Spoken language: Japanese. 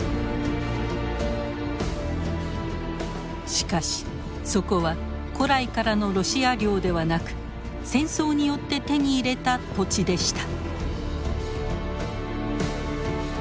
しかしそこは古来からのロシア領ではなく戦争によって手に入れた土地でした。